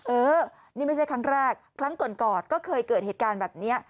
เออนี่ไม่ใช่ครั้งแรกครั้งก่อนก็เคยเกิดเหตุการณ์แบบนี้